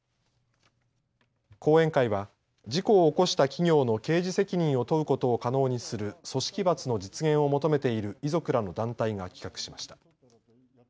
講演会は事故を起こした企業の刑事責任を問うことを可能にする組織罰の実現を求めている遺族らの団体が企画しました。